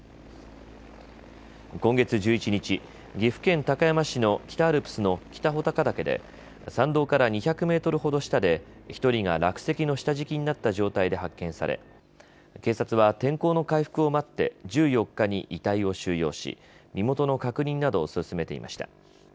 今月１１日、岐阜県高山市の北アルプスの北穂高岳で山道から２００メートルほど下で１人が落石の下敷きになった状態で発見され、警察は天候の回復を待って１４日に遺体を収容し、身元の確認などを進めていました。